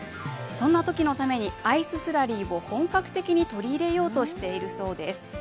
そんなときのためにアイススラリーを本格的に取り入れようとしているそうです。